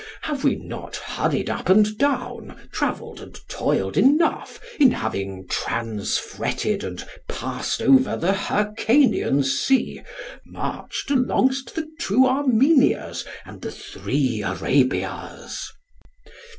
Have we not hurried up and down, travelled and toiled enough, in having transfretted and passed over the Hircanian sea, marched alongst the two Armenias and the three Arabias?